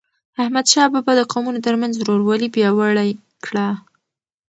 احمدشاه بابا د قومونو ترمنځ ورورولي پیاوړی کړه.